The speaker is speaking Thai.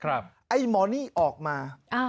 ไอ้หมอนี่ออกมา